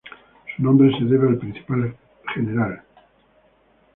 Su nombre se debe al principal general.